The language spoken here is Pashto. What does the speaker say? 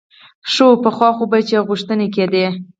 ښه وه پخوا خو به چې غوښتنې کېدې.